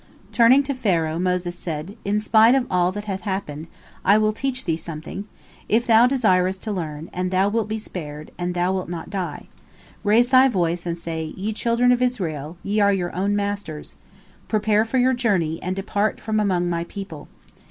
Turning to Pharaoh, Moses said: "In spite of all that hath happened, I will teach thee something, if thou desirest to learn, and thou wilt be spared, and thou wilt not die. Raise thy voice, and say: 'Ye children of Israel, ye are your own masters. Prepare for your journey, and depart from among my people.